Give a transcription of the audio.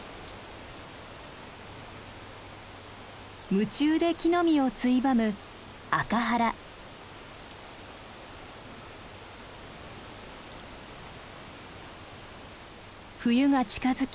夢中で木の実をついばむ冬が近づき